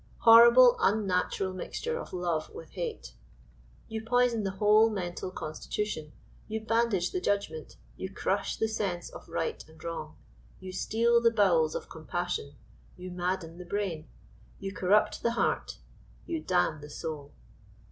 Horrible unnatural mixture of Love with Hate you poison the whole mental constitution you bandage the judgment you crush the sense of right and wrong you steel the bowels of compassion you madden the brain you corrupt the heart you damn the soul.